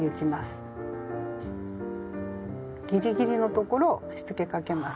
ギリギリの所をしつけかけます。